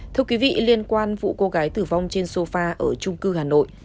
thưa quý vị liên quan vụ cô gái tử vong trên sofa ở trung cư hà nội